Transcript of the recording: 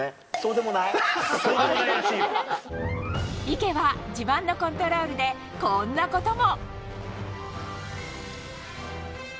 池は自慢のコントロールでこんなことも。